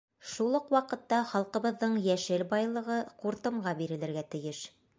Шул уҡ ваҡытта халҡыбыҙҙың йәшел байлығы ҡуртымға бирелергә тейеш.